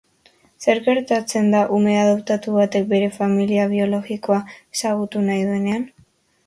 Zer gertatzen da ume adoptatu batek bere familia biologikoa ezagutu nahi duenean?